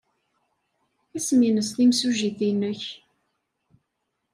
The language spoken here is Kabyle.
Isem-nnes timsujjit-nnek?